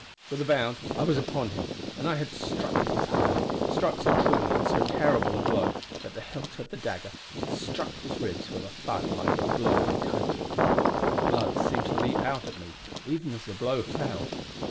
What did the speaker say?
With a bound I was upon him, and I had struck at his heart; struck so truly and so terrible a blow, that the hilt of the dagger struck his ribs with a thud like the blow of a cudgel. The blood seemed to leap out at me, even as the blow fell.